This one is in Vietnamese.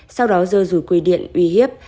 sau đó dơ rủi quy điện uy hiếp